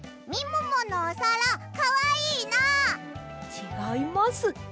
ちがいます。